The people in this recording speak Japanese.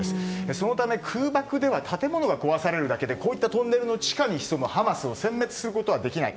そのため、空爆では建物が壊されるだけでこういったトンネルの地下に潜むハマスを殲滅することはできない。